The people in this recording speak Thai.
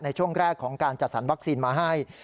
ในช่วงแรกของการจัดสรรวัคซีนมาให้